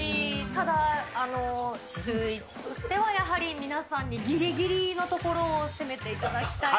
ただ、シューイチとしてはやはり、皆さんにぎりぎりのところを攻めていただきたいなと。